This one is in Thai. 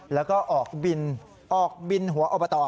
แล้วก็ออกบินออกบินหัวอบต